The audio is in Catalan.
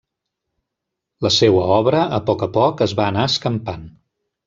La seua obra, a poc a poc, es va anar escampant.